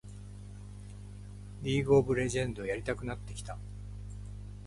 リーグ・オブ・レジェンドやりたくなってきた